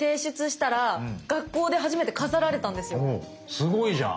すごいじゃん！